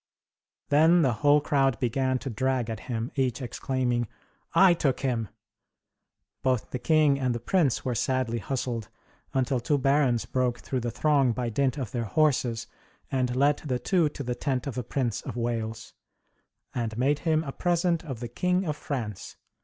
Then the whole crowd began to drag at him, each exclaiming: "I took him!" Both the king and the prince were sadly hustled, until two barons broke through the throng by dint of their horses, and led the two to the tent of the Prince of Wales, "and made him a present of the King of France!"